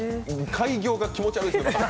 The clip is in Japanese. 改行が気持ち悪いですね。